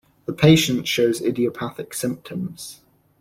The patient shows idiopathic symptoms.